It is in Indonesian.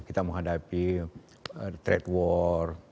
kita menghadapi trade war